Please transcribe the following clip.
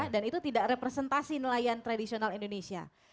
dan itu tidak representasi nelayan tradisional indonesia